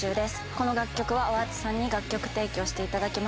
この楽曲はＷｕｒｔＳさんに楽曲提供していただきました。